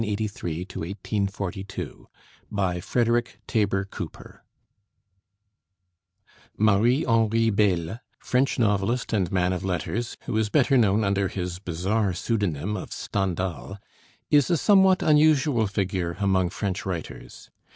MARIE HENRI BEYLE (STENDHAL) (1783 1842) BY FREDERIC TABER COOPER Marie Henri Beyle, French novelist and man of letters, who is better known under his bizarre pseudonym of Stendhal, is a somewhat unusual figure among French writers.